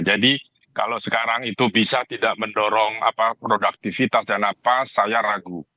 jadi kalau sekarang itu bisa tidak mendorong produktivitas dan apa saya ragu